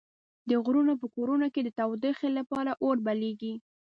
د غرونو په کورونو کې د تودوخې لپاره اور بليږي.